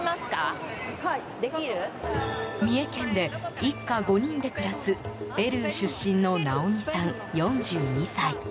三重県で、一家５人で暮らすペルー出身のナオミさん、４２歳。